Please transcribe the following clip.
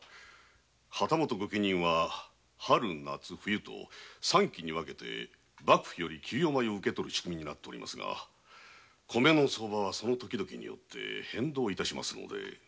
旗本御家人は春夏冬と三期に分けて幕府より給与米を受け取る仕組みになっておりますが米の相場はその時々で変動致しますゆえ。